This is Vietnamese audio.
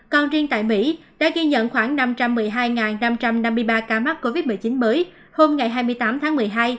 còn riêng tại mỹ đã ghi nhận khoảng năm trăm một mươi hai năm trăm năm mươi ba ca mắc covid một mươi chín mới hôm ngày hai mươi tám tháng một mươi hai